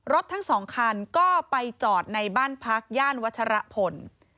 ทั้งสองคันก็ไปจอดในบ้านพักย่านวัชรพล